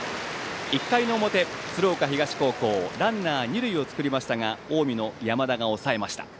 １回の表、鶴岡東高校ランナー二塁を作りましたが近江の山田が抑えました。